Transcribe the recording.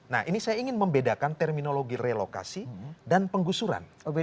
nah ini saya ingin membedakan terminologi relokasi dan penggusuran